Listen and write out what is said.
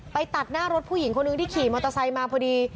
ตัดหน้ารถผู้หญิงคนหนึ่งที่ขี่มอเตอร์ไซค์มาพอดี